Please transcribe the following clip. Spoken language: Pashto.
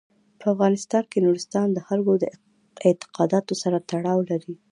په افغانستان کې نورستان د خلکو د اعتقاداتو سره تړاو لري.